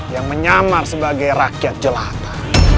yang menyamar sebagai rakyat jelata